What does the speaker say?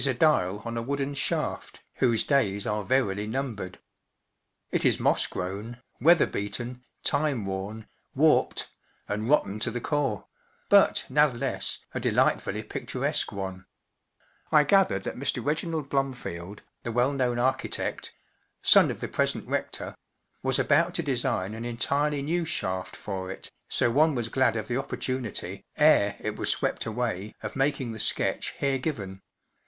3*5 whose days are verily numbered* It 5 s moss grown, weather beaten, time worn, warped, and rotten to the core ; but, nath less* a delightfully picturesque one* I gathered that Mr. Reginald Blomfield, the well known architect (son of the present rector), was about to design an entirely new shaft for it, so one was glad of the opportunity, ere it was swept away, of making the sketch here given.